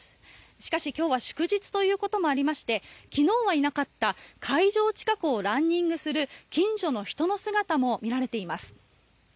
しかし、今日は祝日ということもありまして昨日はいなかった会場近くをランニングする近所の人の姿も見られています。